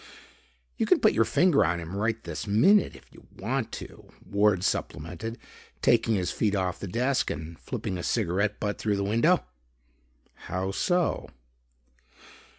"You can put your finger on him right this minute if you want to," Ward supplemented, taking his feet off the desk and flipping a cigarette butt through the window. "How so?"